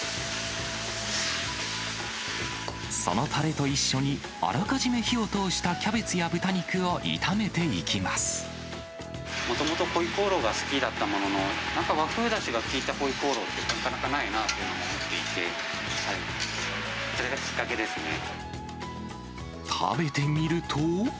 そのたれと一緒にあらかじめ火を通したキャベツや豚肉を炒めていもともとホイコーローが好きだったものの、なんか、和風だしが効いたホイコーローってなかなかないなと思っていて、食べてみると。